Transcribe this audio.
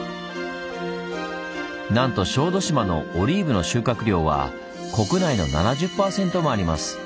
なんと小豆島のオリーブの収穫量は国内の７０％もあります。